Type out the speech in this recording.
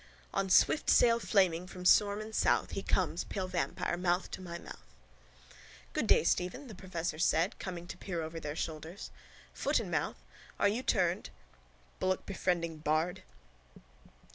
On swift sail flaming From storm and south He comes, pale vampire, Mouth to my mouth. —Good day, Stephen, the professor said, coming to peer over their shoulders. Foot and mouth? Are you turned...? Bullockbefriending bard.